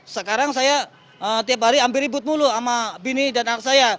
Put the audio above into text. sekarang saya tiap hari ambil ribut mulu sama bini dan anak saya